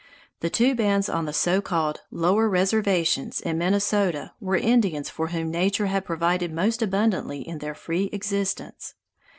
The two bands on the so called "lower reservations" in Minnesota were Indians for whom nature had provided most abundantly in their free existence.